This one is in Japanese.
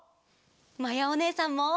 まやおねえさんも。